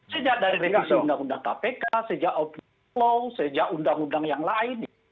sejak dari revisi undang undang kpk sejak omnibus law sejak undang undang yang lain